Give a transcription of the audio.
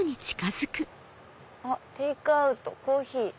「テイクアウトコーヒー」。